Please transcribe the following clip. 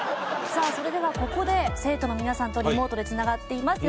さあそれではここで生徒の皆さんとリモートで繋がっています。